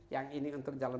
yang ini untuk jalan